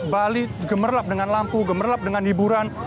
bali gemerlap dengan lampu gemerlap dengan hiburan